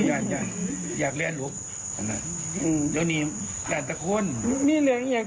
ย่านย่านอยากแรงหลุกอืมแล้วนี่ย่านตะข้นนี่เรียกยัง